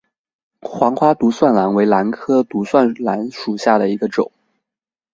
黄花独蒜兰为兰科独蒜兰属下的一个种。